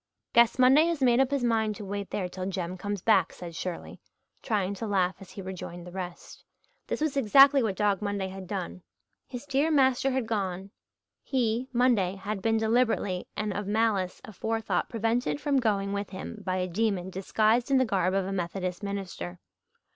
"Guess Monday has made up his mind to wait there till Jem comes back," said Shirley, trying to laugh as he rejoined the rest. This was exactly what Dog Monday had done. His dear master had gone he, Monday, had been deliberately and of malice aforethought prevented from going with him by a demon disguised in the garb of a Methodist minister.